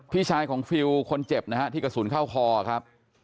พี่ชายของฟิลคนเจ็บนะฮะที่กระสุนเข้าคอครับ